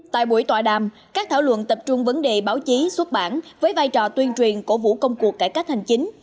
tại buổi tọa đàm các thảo luận tập trung vấn đề báo chí xuất bản với vai trò tuyên truyền cổ vũ công cuộc cải cách hành chính